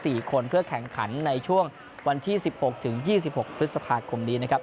ที่จะแข่งขันในช่วงวันที่๑๖ถึง๒๖พฤษภาคคมดีนะครับ